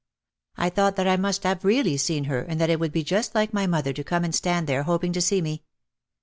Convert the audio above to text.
I thought that I must have really seen her and that it would be just like my mother to come and stand there hoping to see me.